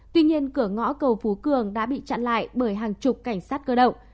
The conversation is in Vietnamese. tuy nhiên cửa ngõ cầu phú cường đã bị chặn lại bởi hàng chục cảnh sát cơ động